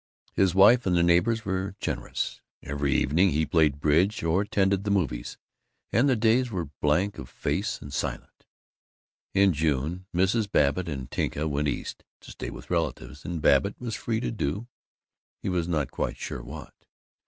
His wife and the neighbors were generous. Every evening he played bridge or attended the movies, and the days were blank of face and silent. In June, Mrs. Babbitt and Tinka went East, to stay with relatives, and Babbitt was free to do he was not quite sure what.